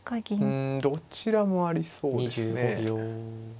うんどちらもありそうですね。